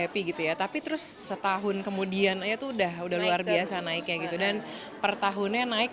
happy gitu ya tapi terus setahun kemudian itu udah udah luar biasa naiknya gitu dan per tahunnya naik